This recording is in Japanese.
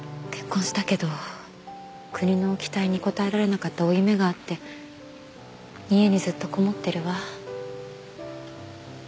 結婚したけど国の期待に応えられなかった負い目があって家にずっとこもってるわ。